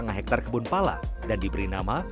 dua belas lima hektare kebun pala dan diberi nama